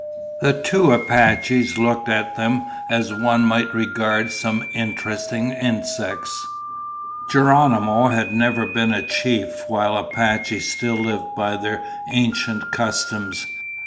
The two Apaches looked at them as one might regard some interesting insects. Geronimo had never been a chief while Apaches still lived by their ancient customs.